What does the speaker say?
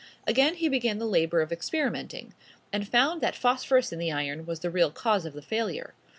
Again he began the labor of experimenting, and found that phosphorus in the iron was the real cause of the failure.